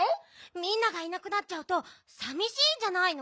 みんながいなくなっちゃうとさみしいんじゃないの？